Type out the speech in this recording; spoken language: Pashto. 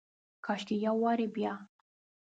کاشکي یو وارې بیا،